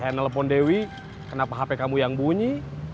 saya nelpon dewi kenapa hp kamu yang bunyi